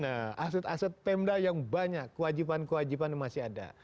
nah aset aset pemda yang banyak kewajiban kewajiban masih ada